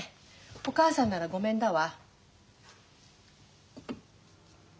お母さんならごめんだわ。